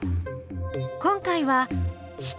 今回は「質」。